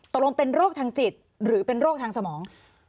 ตกลงเป็นโรคทางจิตหรือเป็นโรคทางสมอง